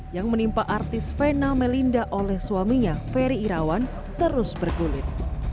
yang menimpa artis vena melinda oleh suaminya ferry irawan terus bergulir